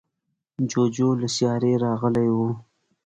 جوجو له سیارې راغلی و.